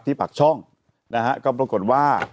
ปากช่องนะฮะก็ปรากฏว่า